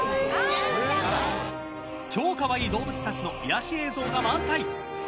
超可愛い動物たちの癒やし映像が満載。